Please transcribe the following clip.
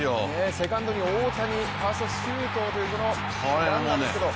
セカンドの大谷、ファースト周東というランナーですけど。